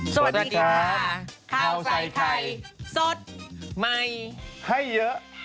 สวัสดีค่ะข้าวใส่ไข่สดใหม่ให้เยอะ